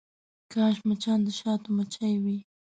کاش مچان د شاتو مچۍ وی.